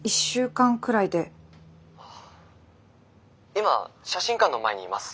今写真館の前にいます。